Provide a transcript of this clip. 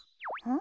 ん？